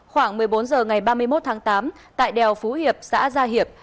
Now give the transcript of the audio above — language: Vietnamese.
khoảng một mươi bốn h ngày ba mươi một tháng tám tại đèo phú hiệp xã gia hiệp